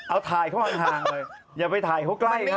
เอาถ่ายเข้าทางเลยอย่าไปถ่ายเข้าใกล้ครับ